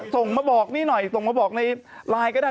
ส่งมาบอกนี่หน่อยส่งมาบอกในไลน์ก็ได้